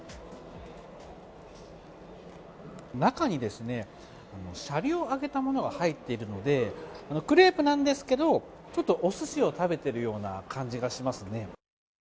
中にシャリをあげたものも入っているので、クレープなんですけどちょっとおすしを食べてるような感じがしますね。